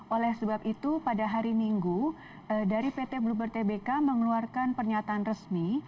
oleh sebab itu pada hari minggu dari pt bluebird tbk mengeluarkan pernyataan resmi